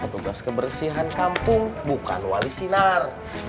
tugas kebersihan kampung bukan wali sinar